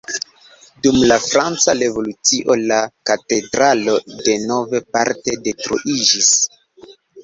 Dum la Franca Revolucio la katedralo denove parte detruiĝis.